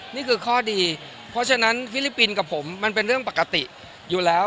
นี่คือข้อดีเพราะฉะนั้นฟิลิปปินส์กับผมมันเป็นเรื่องปกติอยู่แล้ว